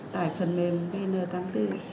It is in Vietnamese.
tải phần mềm pn tám mươi bốn